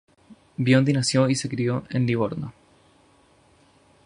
Biondi nació y se crio en Livorno.